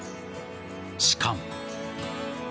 しかも。